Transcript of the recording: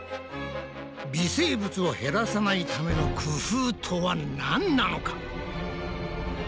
微生物を減らさないための工夫とはなんなのか？